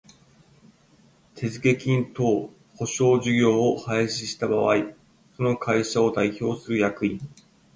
手付金等保証事業を廃止した場合その会社を代表する役員